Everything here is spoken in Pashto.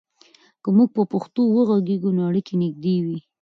که موږ په پښتو وغږیږو، نو اړیکې نږدې وي.